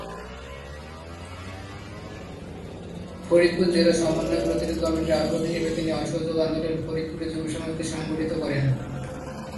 ফরিদপুর জেলা সমন্বয় ও প্রতিরোধ কমিটির আহবায়ক হিসেবে তিনি অসহযোগ আন্দোলনে ফরিদপুরে যুব সমাজকে সংগঠিত করেন।